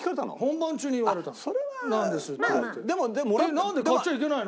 なんで買っちゃいけないの？